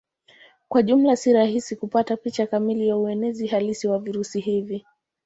Kwa jumla si rahisi kupata picha kamili ya uenezi halisi wa virusi hivi.